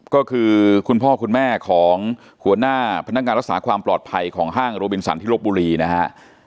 ก็คือคุณพ่อคุณแม่ของหัวหน้าพนักงานรักษาความปลอดภัยของห้างโรบินสันที่ลบบุรีนะฮะ